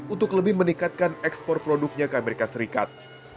untuk lebih meningkatkan ekspor produknya ke amerika serikat